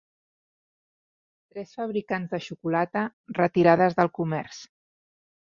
Tres fabricants de xocolata, retirades del comerç